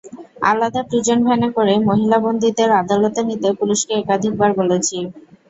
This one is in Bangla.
আলাদা প্রিজন ভ্যানে করে মহিলা বন্দীদের আদালতে নিতে পুলিশকে একাধিকবার বলেছি।